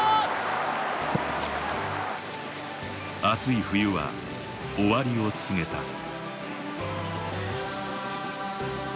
熱い冬は終わりを告げた。